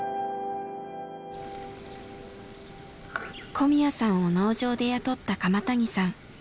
小宮さんを農場で雇った鎌谷さん。